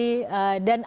dan apakah anda mengerti